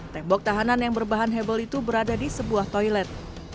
tembok tahanan yang berbahan hebel itu berada di sebuah toilet